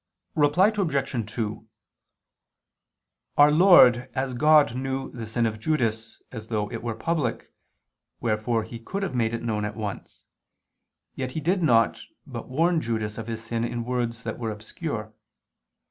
Reply Obj. 2: Our Lord as God knew the sin of Judas as though it were public, wherefore He could have made it known at once. Yet He did not, but warned Judas of his sin in words that were obscure.